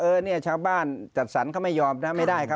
เออเนี่ยชาวบ้านจัดสรรเขาไม่ยอมนะไม่ได้ครับ